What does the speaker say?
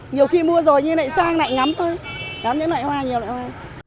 nhiều khi mua rồi như này sang lại ngắm thôi ngắm những loại hoa nhiều loại hoa